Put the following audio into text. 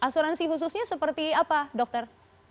asuransi khususnya seperti apa dokter